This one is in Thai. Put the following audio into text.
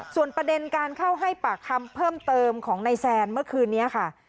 ส่วนประเด็นการเข้าให้ปากคำเพิ่มเติมของนายแซนเมื่อคืนนี้ค่ะ